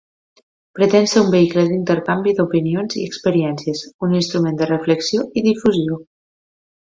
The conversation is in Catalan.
Pretén ser un vehicle d'intercanvi d'opinions i experiències, un instrument de reflexió i difusió.